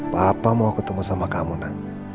papa mau ketemu sama kamu nanti